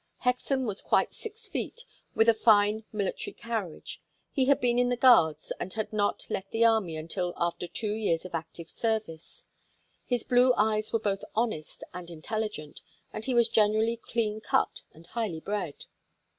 Hexam was quite six feet, with a fine military carriage; he had been in the Guards and had not left the army until after two years of active service; his blue eyes were both honest and intelligent, and he was generally clean cut and highly bred.